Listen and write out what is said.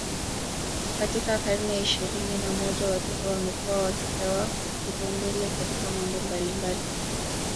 katika karne ya ishirini na moja watoto wamekuwa wakipewa kipaumbele katika mambo mbalimbali